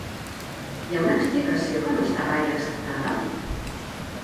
Hi ha una explicació que no està gaire acceptada?